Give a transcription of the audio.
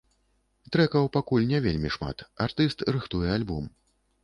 Трэкаў пакуль не вельмі шмат, артыст рыхтуе альбом.